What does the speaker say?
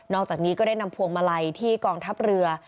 อกจากนี้ก็ได้นำพวงมาลัยที่กองทัพเรือ